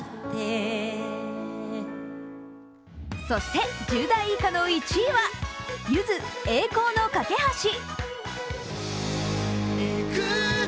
そして１０代以下の１位はゆず「栄光の架橋」。